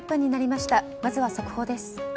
まずは速報です。